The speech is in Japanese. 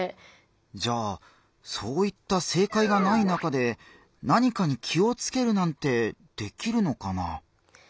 じゃあそういった正解がない中で何かに気をつけるなんてできるのかな？